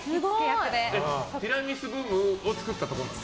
ティラミスブームを作ったところなの？